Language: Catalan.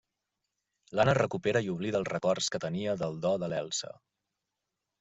L'Anna es recupera i oblida els records que tenia del do de l'Elsa.